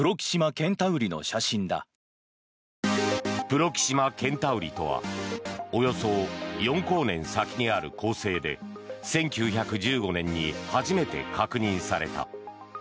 プロキシマ・ケンタウリとはおよそ４光年先にある恒星で１９１５年に初めて確認された。